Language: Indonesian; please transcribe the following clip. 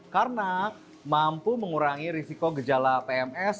karena mampu mengurangi risiko gejala pms